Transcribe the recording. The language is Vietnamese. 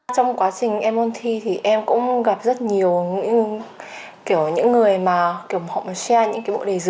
trong quá trình em ôn thi thì em cũng gặp rất nhiều những kiểu những người mà kiểu họ share những cái